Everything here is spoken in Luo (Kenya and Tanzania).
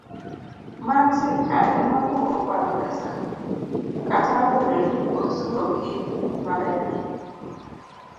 mag sirkal ema kwongo kwalo pesago, kata obedo ni osurogi maber